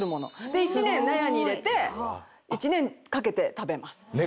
１年納屋に入れて１年かけて食べます。